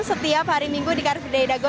setiap hari minggu di car free day dago